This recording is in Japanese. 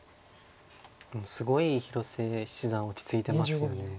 すごい広瀬七段落ち着いてますよね。